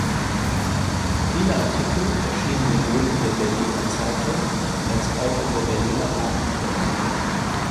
Viele Artikel erschienen sowohl in der Berliner Zeitung als auch in der Berliner Abendpost